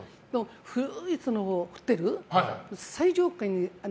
古いホテル、最上階の。